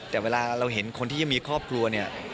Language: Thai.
แต่เวลาเราเห็นคนที่ยังมีครอบครัวเนี่ย